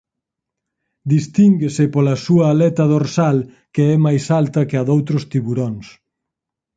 Distínguese pola súa aleta dorsal que é máis alta que a doutros tiburóns.